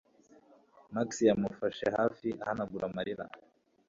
Max yamufashe hafi ahanagura amarira